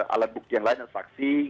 alat bukti yang lain dan saksi